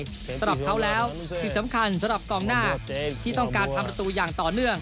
สำหรับเขาแล้วสิ่งสำคัญสำหรับกองหน้าที่ต้องการทำประตูอย่างต่อเนื่อง